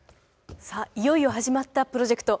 さあいよいよ始まったプロジェクト。